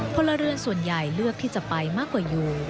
พลเรือนส่วนใหญ่เลือกที่จะไปมากกว่าอยู่